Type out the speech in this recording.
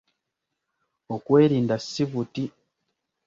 Okwerinda si buti.